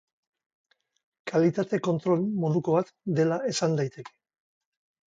Kalitate-kontrol moduko bat dela esan daiteke.